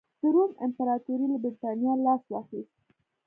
د روم امپراتورۍ له برېټانیا لاس واخیست